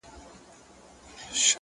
د زړه صفا د روح ښکلا ده,